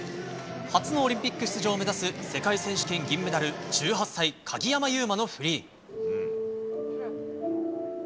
初のオリンピック出場を目指す世界選手権銀メダル１８歳、鍵山優真のフリー。